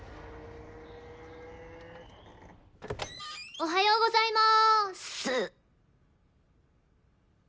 おはようございます！